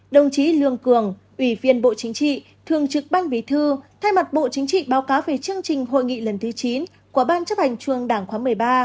đồng chí lương cường ủy viên bộ chính trị thường trực ban bí thư thay mặt bộ chính trị báo cáo về chương trình hội nghị lần thứ chín của ban chấp hành trung đảng khóa một mươi ba